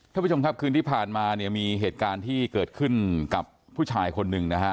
ท่านผู้ชมครับคืนที่ผ่านมาเนี่ยมีเหตุการณ์ที่เกิดขึ้นกับผู้ชายคนหนึ่งนะฮะ